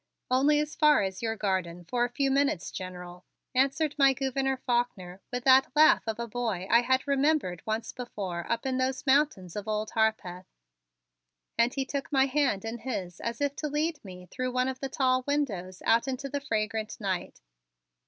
"Only as far as your garden for a few minutes, General," answered my Gouverneur Faulkner with that laugh of a boy I had remarked once before up in those mountains of Old Harpeth, and he took my hand in his as if to lead me through one of the tall windows out into the fragrant night.